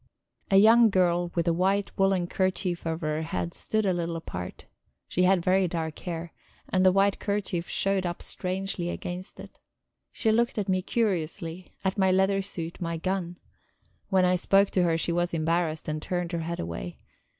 A young girl with a white woolen kerchief over her head stood a little apart; she had very dark hair, and the white kerchief showed up strangely against it. She looked at me curiously, at my leather suit, my gun; when I spoke to her, she was embarrassed, and turned her head away.